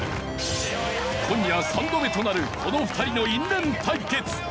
今夜３度目となるこの２人の因縁対決。